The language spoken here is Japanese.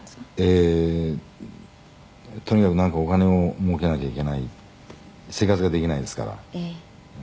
「ええー」「とにかくなんかお金をもうけなきゃいけない生活ができないですから」